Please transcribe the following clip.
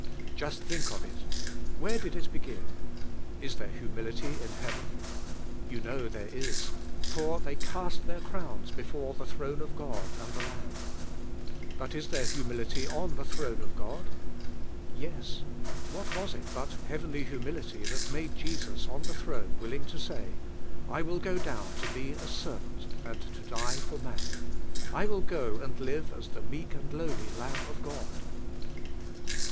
Just think of it. Where did it begin ? Is there hu mility in heaven ? You know there is, for the}^ cast their crowns before the throne of God and the Lam.b. But is there humility on the throne of God? Yes, what was it butheavenl} humility that made Jesus on the throne willing to say : "I will go down to be a servant, and to die for man; I will go and live as the meek and lowly Lamb of God?"